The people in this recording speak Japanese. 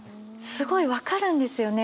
すごい分かるんですよね